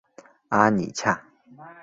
阿里恰。